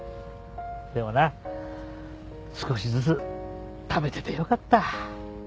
でもな少しずつためててよかった。